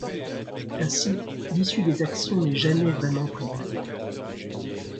Ainsi, l’issue des actions n’est jamais vraiment prévisible.